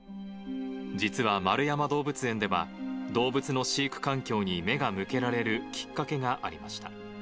実は円山動物園では、動物の飼育環境に目が向けられるきっかけがありました。